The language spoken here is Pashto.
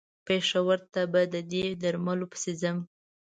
پېښور ته به د دې درملو پسې ځم.